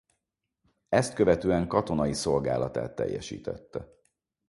Ezt követően katonai szolgálatát teljesítette.